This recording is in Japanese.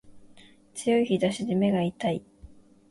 強い日差しで目が痛い